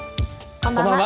こんばんは。